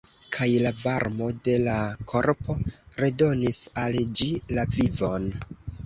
Kaj la varmo de la korpo redonis al ĝi la vivon.